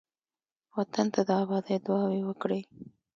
وطن ته د آبادۍ دعاوې وکړئ.